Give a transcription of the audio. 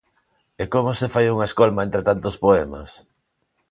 E como se fai unha escolma entre tantos poemas?